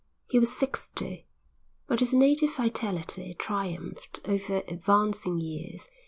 He was sixty, but his native vitality triumphed over advancing years.